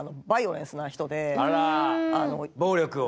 暴力を？